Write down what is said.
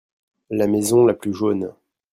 La maison la plus jaune.